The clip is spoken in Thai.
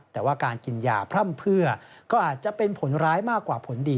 แต่ว่าการกินยาพร่ำเพื่อก็อาจจะเป็นผลร้ายมากกว่าผลดี